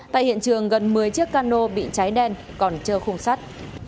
tại hiện trường gần một mươi chiếc cano bị cháy đen còn trơ khung sắt